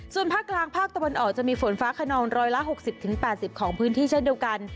ส่วนภาคกลางภาคตะบนออกจะมีฝนฟ้าขนองร้อยละหกสิบถึงแปดสิบของพื้นที่ช่วงเดียวกัน